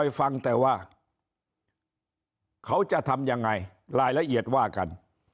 ฟังแต่ว่าเขาจะทำยังไงรายละเอียดว่ากัน